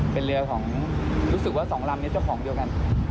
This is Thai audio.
เป็นเรือของรู้สึกว่าสองลำนี้เจ้าของเดียวกัน